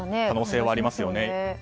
可能性はありますよね。